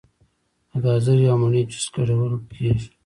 د ګازرې او مڼې جوس ګډول کیږي.